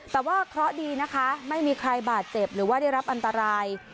แต่ว่าเคราะห์ดีนะคะไม่มีใครบาดเจ็บหรือว่าได้รับอันตราย